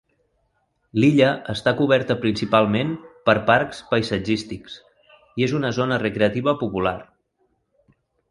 L'illa està coberta principalment per parcs paisatgístics, i és una zona recreativa popular.